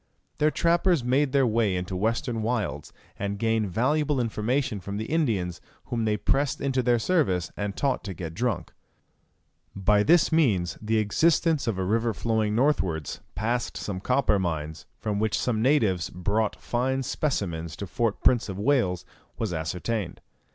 Their trappers made their way far into the western wilds, and gained valuable information from the Indians whom they pressed into their service, and taught to get drunk. By this means the existence of a river flowing northwards, past some copper mines, from which some natives brought fine specimens to Fort Prince of Wales, was ascertained.